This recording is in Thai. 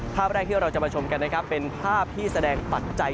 ภาพแรกที่เราจะมาชมกันนะครับเป็นภาพที่แสดงปัจจัย